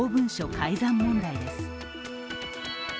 改ざん問題です。